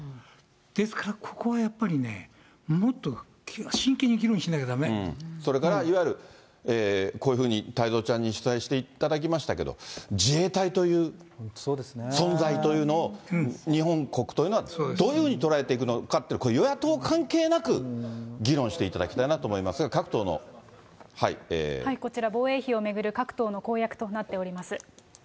ですから、ここはやっぱりね、それからいわゆる、こういうふうに、太蔵ちゃんに取材していただきましたけれども、自衛隊という存在というのを、日本国というのは、どういうふうに捉えていくのかっていうのは、与野党関係なく、議論していただきたいなと思いますが、こちら、防衛費を巡る各党の公約となっております。